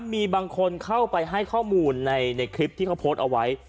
มีบางคนเข้าไปให้ข้อมูลในคลิปที่เขาโพสต์เอาไว้